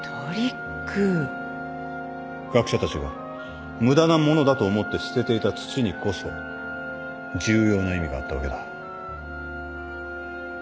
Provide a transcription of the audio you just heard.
学者たちが無駄なものだと思って捨てていた土にこそ重要な意味があったわけだ。